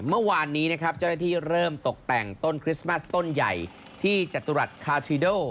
เมื่อวานที่เริ่มตกแต่งคิสมาสต้นใหญ่ที่จตุรัชไคทรีโด